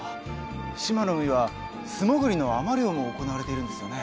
志摩の海は素潜りの海女漁も行われているんですよね？